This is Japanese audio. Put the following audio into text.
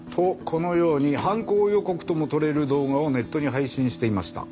このように犯行予告ともとれる動画をネットに配信していました。